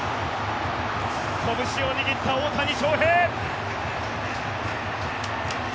こぶしを握った大谷翔平。